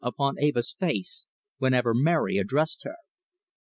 upon Eva's face whenever Mary addressed her.